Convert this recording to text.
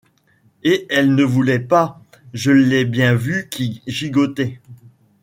Et elle ne voulait pas, je l’ai bien vue qui gigotait !